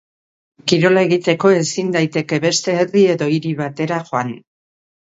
Kirola egiteko ezin daiteke beste herri edo hiri batera joan.